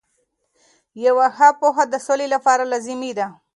یوه ښه پوهه د سولې لپاره لازمي ده.